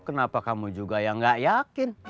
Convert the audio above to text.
kenapa kamu juga yang gak yakin